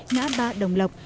ngã ba đồng lộc